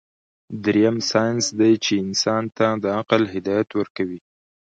دريم سائنس دے چې انسان ته د عقل هدايت ورکوي